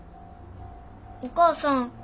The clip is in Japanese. お母さん。